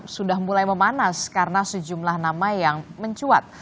sudah mulai memanas karena sejumlah nama yang mencuat